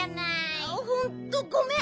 ほんとごめん！